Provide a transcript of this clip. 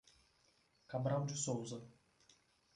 Cabral de Souza